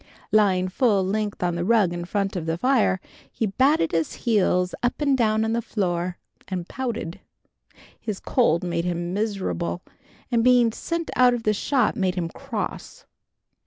Lying full length on the rug in front of the fire, he battered his heels up and down on the floor and pouted. His cold made him miserable, and being sent out of the shop made him cross.